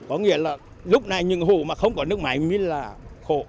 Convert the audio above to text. có nghĩa là lúc này những hộ mà không có nước máy mới là khổ